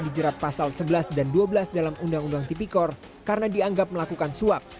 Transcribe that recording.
dijerat pasal sebelas dan dua belas dalam undang undang tipikor karena dianggap melakukan suap